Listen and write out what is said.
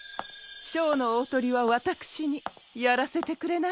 ショーのおおトリはわたくしにやらせてくれないかシラ。